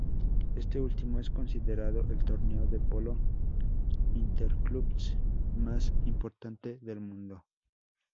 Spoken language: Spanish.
Este último es considerado el torneo de polo interclubes más importante del mundo.